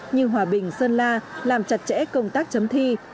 như hòa bình sơn la làm chặt chẽ công tác chấm thi